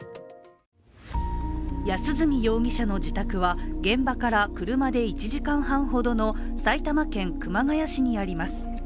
安栖容疑者の自宅は現場から車で１時間半ほどの埼玉県熊谷市にあります。